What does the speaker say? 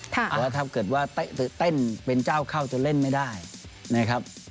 แล้วถ้าเกิดว่าเต้นเป็นเจ้าเข้าจะเล่นไม่ได้นะครับ